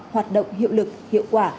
hoạt động hiệu lực hiệu quả